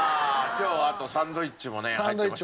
今日はサンドイッチもね入ってましたもんね。